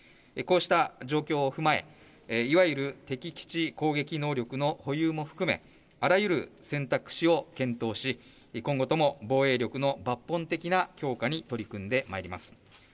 こうした状況を踏まえいわゆる敵基地攻撃能力の保有も含めあらゆる選択肢を選択し、今後とも防衛力の抜本的な強化に取り組んでまいります。